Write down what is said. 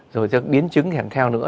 rồi đến biến chứng hẳn theo nữa